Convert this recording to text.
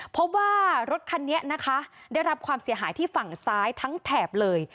เพราะว่ารถคันนี้นะคะได้รับความเสียหายที่ฝั่งซ้ายทั้งแถบเลย